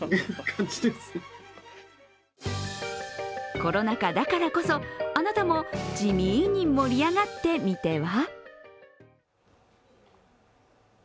コロナ禍だからこそあなたも地味に盛り上がってみては？